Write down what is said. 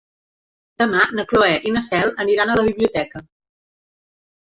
Demà na Cloè i na Cel aniran a la biblioteca.